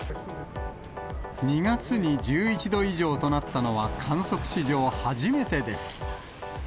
２月に１１度以上となったのは、観測史上初めてです。